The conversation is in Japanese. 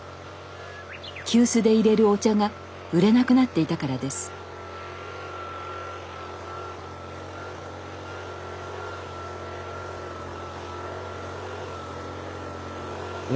急須でいれるお茶が売れなくなっていたからですいや